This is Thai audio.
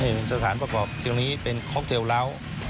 นี่เป็นสถานประกอบที่วันนี้เป็นค็อกเตลราว